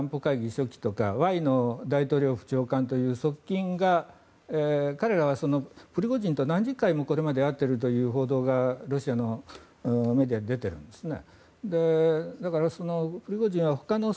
それで例えばパトルシェフやワイノフ大統領府長官という側近が彼らはプリゴジンと何十回もこれまで会っているという報道がロシアのメディアに出ているんですね。